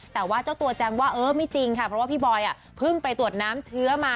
แต่ว่าเจ้าตัวแจ้งว่าเออไม่จริงค่ะเพราะว่าพี่บอยเพิ่งไปตรวจน้ำเชื้อมา